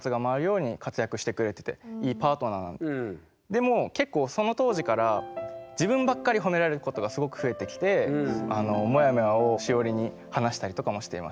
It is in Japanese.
でも結構その当時から自分ばっかり褒められることがすごく増えてきてモヤモヤをシオリに話したりとかもしていました。